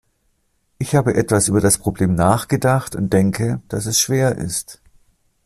Ich habe etwas über das Problem nachgedacht und denke, dass es schwer ist.